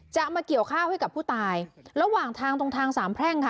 จะเอามาเกี่ยวข้าวให้กับผู้ตายระหว่างทางตรงทางสามแพร่งค่ะ